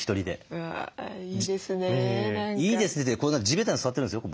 いいですねってこんな地べたに座ってるんですよ